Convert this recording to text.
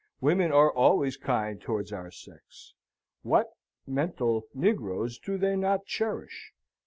Women are always kind towards our sex. What (mental) negroes do they not cherish?